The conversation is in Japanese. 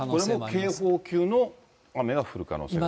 これも警報級の雨が降る可能性？